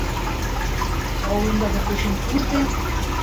Ауыҙындағы тешен күр ҙә